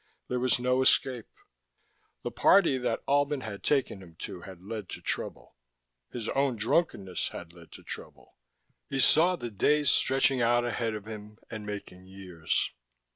There was no escape: the party Albin had taken him to had led to trouble, his own drunkenness had led to trouble. He saw the days stretching out ahead of him and making years.